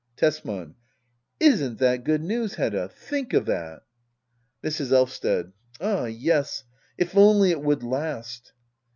Tesman. Isn't that good news/Hedda ? Think of that I Mrs. Elvsted. Ah yes^ if only it would last